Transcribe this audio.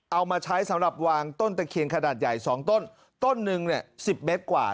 เอามาใช้สำหรับวางต้นตะเคียนขนาดใหญ่สองต้นต้นหนึ่งเนี่ยสิบเมตรกว่า